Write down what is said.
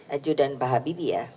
ajudan pak habibie ya